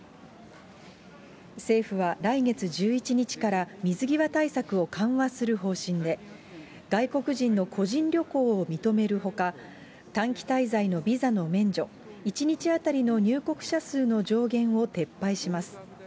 政府は来月１１日から、水際対策を緩和する方針で、外国人の個人旅行を認めるほか、短期滞在のビザの免除、１日当たりの入国者数の上限を撤廃します。